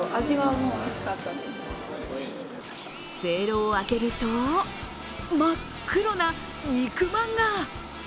蒸籠を開けると、真っ黒な肉まんが。